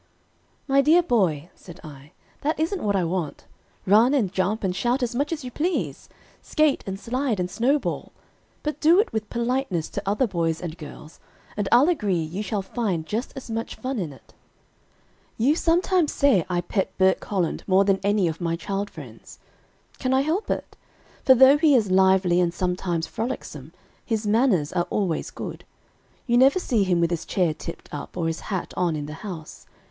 "My dear boy," said I, "that isn't what I want. Run, and jump, and shout as much as you please; skate, and slide, and snowball; but do it with politeness to other boys and girls, and I'll agree you shall find just as much fun in it. [Illustration: "It is Burke who brings a glass of water."] "You sometimes say I pet Burke Holland more than any of my child friends. Can I help it? For though he is lively and sometimes frolicsome, his manners are always good. You never see him with his chair tipped up, or his hat on in the house.